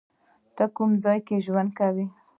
ته کوم ځای کې ژوند کوی؟